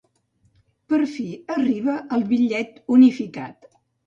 Per fi arriba el bitllet unificat.